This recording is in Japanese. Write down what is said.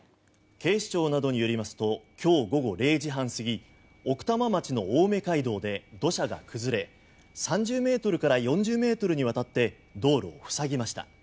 警視庁などによりますと今日午後０時半過ぎ奥多摩町の青梅街道で土砂が崩れ３０ｍから４０ｍにわたって道路を塞ぎました。